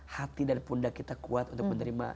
hati dan pundak kita kuat untuk menerima